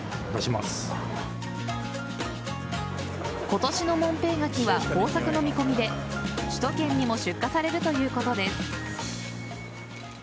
今年のモンペイガキは豊作の見込みで首都圏にも出荷されるということです。